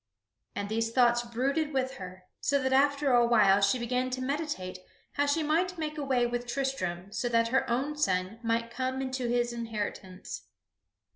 And these thoughts brooded with her, so that after a while she began to meditate how she might make away with Tristram so that her own son might come into his inheritance.